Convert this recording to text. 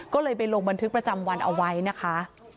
ก็เลยไปลงบันทึกประจำวันเอาไว้นะคะ